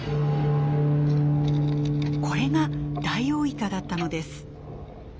これがダイオウイカだったのです。